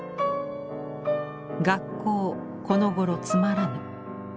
「学校このごろつまらぬ。